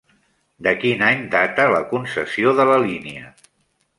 De quin any data la concessió de la línia?